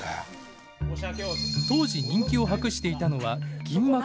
当時人気を博していたのは銀幕のスターたち。